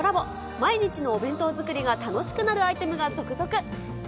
毎日のお弁当作りが楽しくなるアイテムが続々。